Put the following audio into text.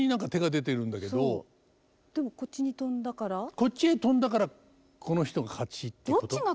こっちへ飛んだからこの人が勝ちっていうこと？